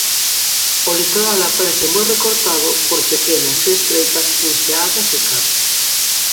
O litoral aparece moi recortado por pequenas e estreitas enseadas e cabos.